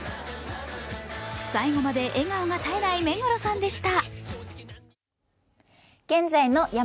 最後まで笑顔が絶えない目黒さんでした。